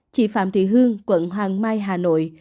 chị phạm thị hương quận hoàng mai hà nội